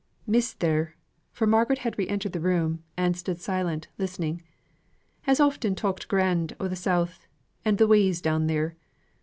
"Miss there" for Margaret had re entered the room, and stood silent, listening "has often talked grand o' the South, and the ways down there.